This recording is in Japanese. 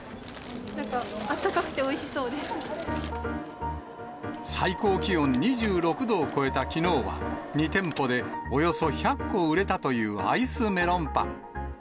なんか、あったかくておいしそう最高気温２６度を超えたきのうは、２店舗でおよそ１００個売れたというアイスめろんぱん。